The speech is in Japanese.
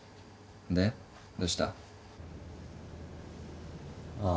でどうした？ああ。